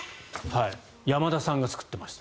山田さんが作ってました。